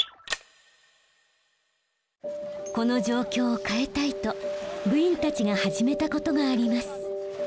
この状況を変えたいと部員たちが始めたことがあります。